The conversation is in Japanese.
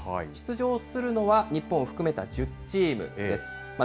出場するのは日本を含めた１０チームです。